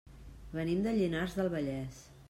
Venim de Llinars del Vallès.